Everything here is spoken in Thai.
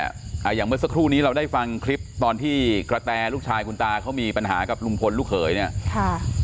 อย่างเมื่อสักครู่นี้เราได้ฟังคลิปตอนที่กระแตลูกชายคุณตาเขามีปัญหากับลุงพลลูกเขยเนี่ยค่ะ